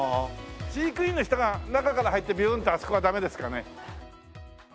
飼育員の人が中から入ってビューンってあそこはダメですかね？